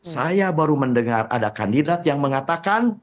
saya baru mendengar ada kandidat yang mengatakan